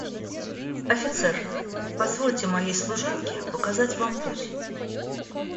Офицер, позвольте моей служанке показать вам путь.